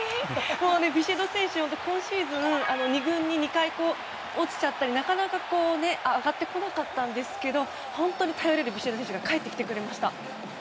もうビシエド選手は今シーズン２軍に２回落ちちゃったりなかなか上がってこなかったんですけど本当に頼れるビシエド選手が帰ってきてくれました。